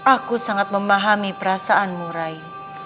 aku sangat memahami perasaanmu rai